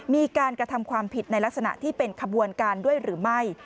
มีการกระทำความผิดในลักษณะที่เป็นขบวนการด้วยหรือไม่